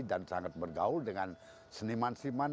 sangat bergaul dengan seniman seniman